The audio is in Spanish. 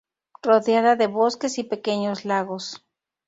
Rodeada de bosques y pequeños lagos.